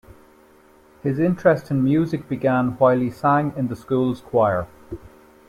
His interest in music began while he sang in the school's choir.